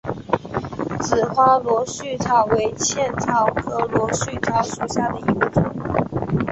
紫花螺序草为茜草科螺序草属下的一个种。